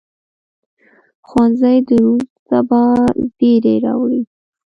ښوونځی د روڼ سبا زېری راوړي